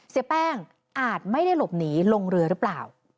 เสียแป้งอาจไม่ได้หลบหนีลงเรือหรือเปล่า